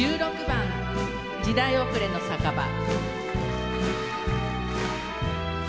１６番「時代おくれの酒場」。